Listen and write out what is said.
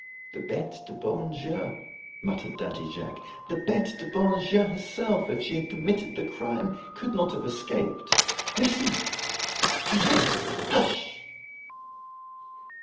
"The Bete du bon Dieu," muttered Daddy Jacques, "the Bete du bon Dieu herself, if she had committed the crime, could not have escaped. Listen! Do you hear it? Hush!"